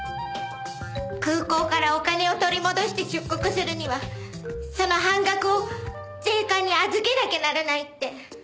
空港からお金を取り戻して出国するにはその半額を税関に預けなきゃならないって。